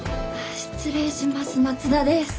失礼します松田です。